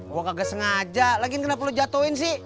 gue kagak sengaja lagi kenapa lo jatohin sih